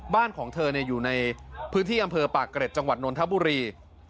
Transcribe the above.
บ้านของเธออยู่ในพื้นที่อำเภอปากเกร็ดจังหวัดนทบุรี